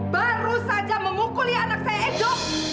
baru saja mengukuli anak saya edo